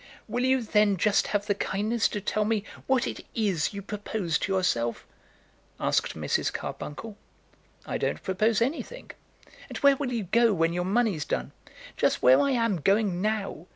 "Will you, then, just have the kindness to tell me what it is you propose to yourself?" asked Mrs. Carbuncle. "I don't propose anything." "And where will you go when your money's done?" "Just where I am going now!"